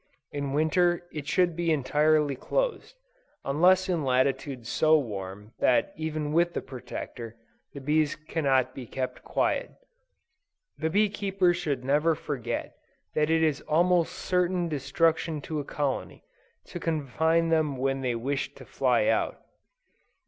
In Winter, it should be entirely closed; unless in latitudes so warm, that even with the Protector, the bees cannot be kept quiet. The bee keeper should never forget that it is almost certain destruction to a colony, to confine them when they wish to fly out.